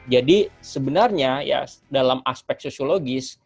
jadi sebenarnya ya dalam aspek sosiologis